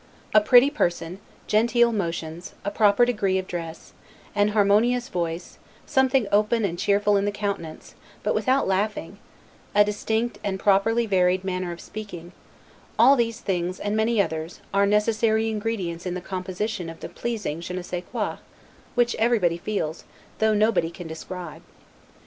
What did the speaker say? A pretty person, genteel motions, a proper degree of dress, an harmonious voice, something open and cheerful in the countenance, but without laughing; a distinct and properly varied manner of speaking: All these things, and many others, are necessary ingredients in the composition of the pleasing je ne sais quoi, which everybody feels, though nobody can describe.